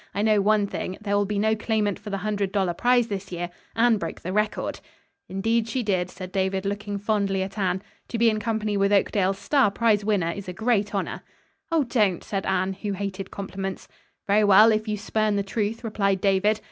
I know one thing; there will be no claimant for the hundred dollar prize this year. Anne broke the record." "Indeed she did," said David, looking fondly at Anne. "To be in company with Oakdale's star prize winner is a great honor." "Oh, don't," said Anne who hated compliments. "Very well, if you spurn the truth," replied David.